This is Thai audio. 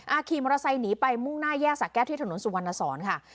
อาคีมอาศัยหนีไปมุ่งหน้าแยกสักแก๊บที่ถนนสุวรรณสอนค่ะ